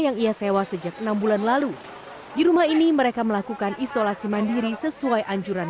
yang ia sewa sejak enam bulan lalu di rumah ini mereka melakukan isolasi mandiri sesuai anjuran